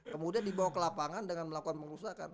kemudian dibawa ke lapangan dengan melakukan pengusaha kan